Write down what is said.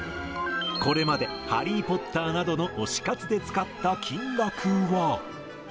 これまでハリー・ポッターなどの推し活で使った金額は。